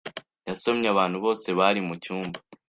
yasomye abantu bose bari mucyumba.